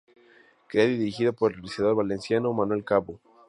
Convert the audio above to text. Creado y dirigido por el realizador valenciano, Manuel Cabo.